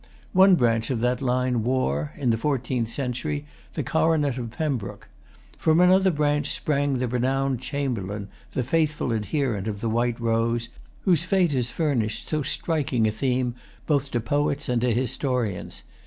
One branch of that line wore, in the fourteenth century, the coronet of Pembroke. From another branch sprang the renowned Chamberlain, the faithful adherent of the White Rose, whose fate has furnished so striking a theme both to poets and to historians.